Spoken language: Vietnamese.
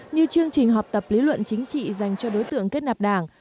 như chương trình họp tập lý luận chính trị dành cho đối tượng kết nạp đảng